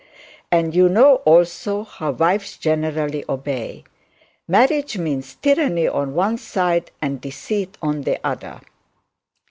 And you know also how wives generally obey. Marriage means tyranny on one side and deceit on the other.